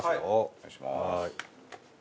お願いします。